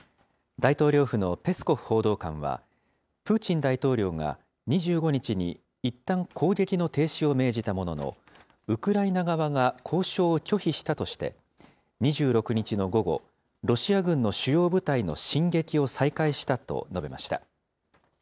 大統領府のペスコフ報道官は、プーチン大統領が２５日にいったん攻撃の停止を命じたものの、ウクライナ側が交渉を拒否したとして、２６日の午後、ロシア軍の主要部隊の進撃を再開したと述べました。